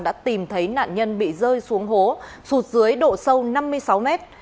đã tìm thấy nạn nhân bị rơi xuống hố sụt dưới độ sâu năm mươi sáu mét